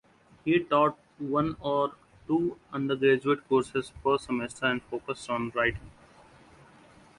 He taught one or two undergraduate courses per semester and focused on writing.